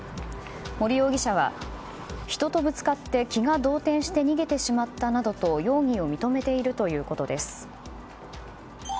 森容疑者は人とぶつかって気が動転して逃げてしまったなどと容疑を認めているということです。